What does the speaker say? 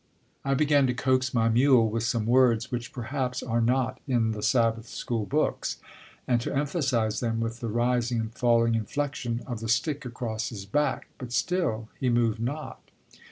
I began to coax my mule with some words which perhaps are not in the Sabbath School books, and to emphasize them with the rising and falling inflection of the stick across his back; but still he moved not.